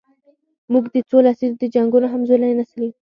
موږ د څو لسیزو د جنګونو همزولی نسل یو.